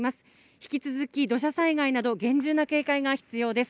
引き続き土砂災害など厳重な警戒が必要です。